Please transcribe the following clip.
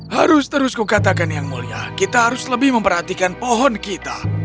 harus terus kukatakan yang mulia kita harus lebih memperhatikan pohon kita